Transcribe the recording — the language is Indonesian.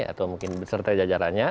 atau mungkin beserta jajarannya